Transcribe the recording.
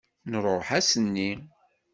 Nruḥ ass-nni.